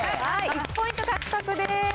１ポイント獲得です。